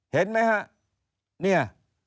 เห็นไหมฮะเนี่ย